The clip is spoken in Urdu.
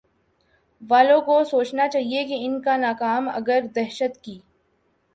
والوں کو سوچنا چاہیے کہ ان کانام اگر دہشت کی